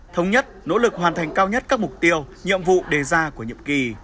thống nhất nỗ lực hoàn thành cao nhất các mục tiêu nhiệm vụ đề ra của nhiệm kỳ